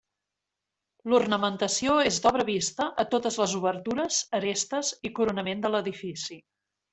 L'ornamentació és d'obra vista a totes les obertures, arestes i coronament de l'edifici.